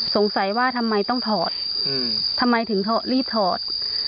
สงสัยว่าทำไมต้องถอดทำไมถึงรีบถอด